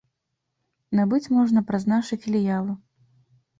Набыць можна праз нашы філіялы.